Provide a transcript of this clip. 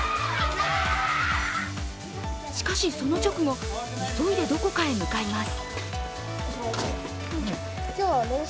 しかし、その直後、急いでどこかへ向かいます。